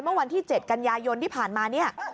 เมื่อวันที่๗กันยายนที่ผ่านมาเนี่ย